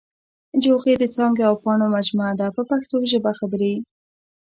جوغې د څانګو او پاڼو مجموعه ده په پښتو ژبه خبرې.